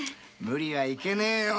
無理はいけねえよ。